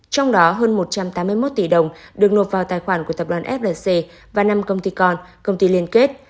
trong đó hơn một trăm tám mươi một tỷ đồng được nộp vào tài khoản của tập đoàn flc và năm công ty con công ty liên kết